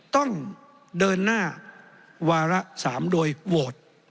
ต้องเดินหน้าวาระ๓โดยโหวต